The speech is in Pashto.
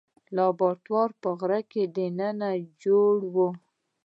لابراتوار په غره کې دننه جوړ و.